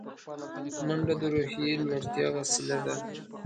منډه د روحیې لوړتیا وسیله ده